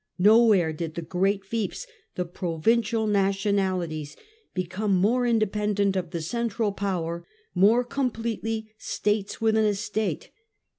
Nowhere did the great fiefs, the "provincial nationalities," become more inde pendent of the central power, more completely "states within a state."